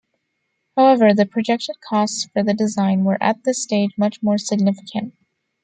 However, the projected costs for the design were at this stage much more significant.